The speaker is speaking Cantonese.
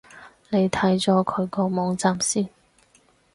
你睇咗佢個網站先